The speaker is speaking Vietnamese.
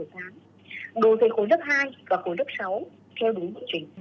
đối với khối lớp hai và khối lớp sáu theo đúng bộ trình